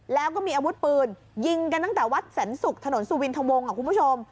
แล้วก็มีอาวุธปืนยิงกันตั้งแต่วัดแสนศุกร์ถนนสุวินทวงคุณผู้ชม